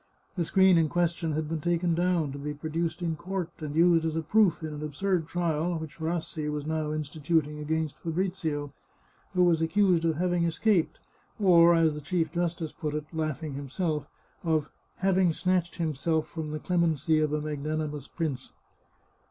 The screen in question had been taken down, to be produced in court, and used as a proof in an absurd trial which Rassi was now instituting 421 The Chartreuse of Parma against Fabrizio, who was accused of having escaped, or, as the Chief Justice put it, laughing himself, of having snatched himself from the clemency of a magnanimous prince.